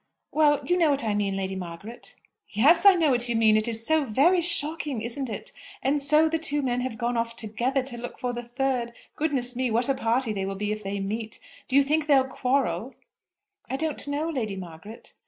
"Well; you know what I mean, Lady Margaret." "Yes; I know what you mean. It is so very shocking; isn't it? And so the two men have gone off together to look for the third. Goodness me; what a party they will be if they meet! Do you think they'll quarrel?" "I don't know, Lady Margaret."